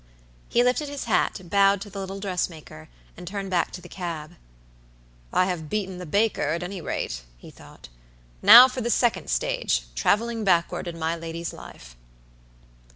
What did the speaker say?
He lifted his hat, bowed to the little dressmaker, and turned back to the cab. "I have beaten the baker, at any rate," he thought. "Now for the second stage, traveling backward, in my lady's life."